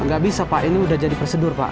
gak bisa pak ini udah jadi prosedur pak